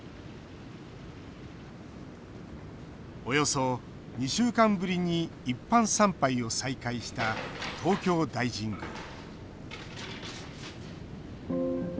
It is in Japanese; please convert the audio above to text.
およそ２週間ぶりに一般参拝を再開した東京大神宮。